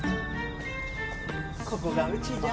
ここがうちじゃ。